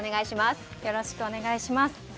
よろしくお願いします。